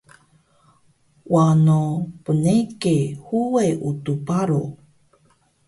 Wano bnege huwe Utux Baro